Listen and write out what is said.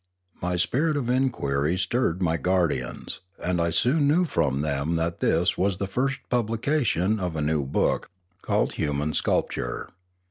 My spirit of enquiry stirred my guardians, and I soon knew from them that this was the first publication of a new book, called Human Sculpture.